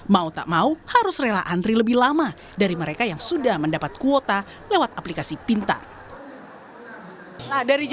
mau tak mau harus rela antri lebih lama dari mereka yang sudah mendapat kuota lewat aplikasi pintar